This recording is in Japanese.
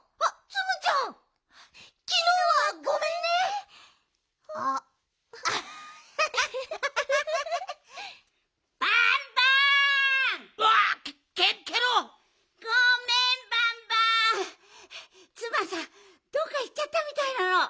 ツバンさんどっかいっちゃったみたいなの。